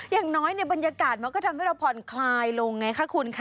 อย่างน้อยเนี่ยบรรยากาศมันก็ทำให้เราผ่อนคลายลงไงคะคุณค่ะ